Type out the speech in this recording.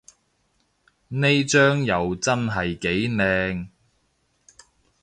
呢張又真係幾靚